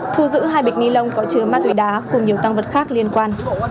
thu giữ hai bịch ni lông có chứa ma túy đá cùng nhiều tăng vật khác liên quan